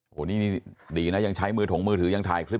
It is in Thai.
โอ้โหนี่ดีนะยังใช้มือถงมือถือยังถ่ายคลิป